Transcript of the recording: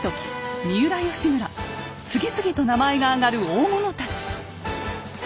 次々と名前が挙がる大物たち。